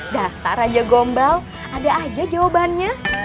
dasar raja gombal ada aja jawabannya